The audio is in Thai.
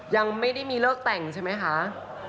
ยังไม่ได้มีเลิกแต่งใช่ไหมคะ